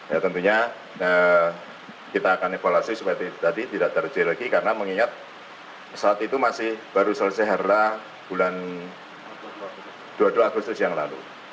ya tentunya kita akan evaluasi supaya tadi tidak terjadi lagi karena mengingat saat itu masih baru selesai herla bulan dua puluh dua agustus yang lalu